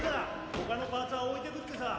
ほかのパーツは置いてくってさ。